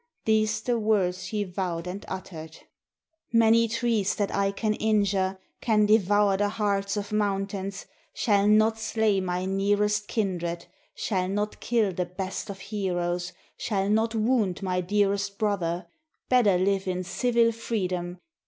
These the words he vowed and uttered: "Many trees that I can injure, Can devour the hearts of mountains, Shall not slay my nearest kindred, Shall not kill the best of heroes, Shall not wound my dearest brother; Better live in civil freedom.